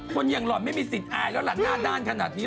คนอย่างหล่อนไม่มีสิทธิอายแล้วล่ะหน้าด้านขนาดนี้